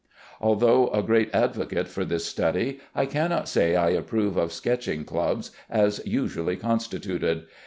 Although a great advocate for this study, I cannot say I approve of sketching clubs as usually constituted.